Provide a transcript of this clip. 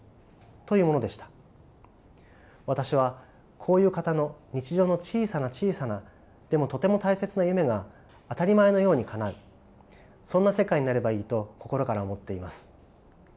私はこういう方の日常の小さな小さなでもとても大切な夢が当たり前のようにかなうそんな世界になればいいと心から思っています。